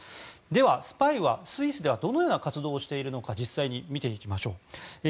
ではスパイはスイスではどのような活動をしているのか実際に見ていきましょう。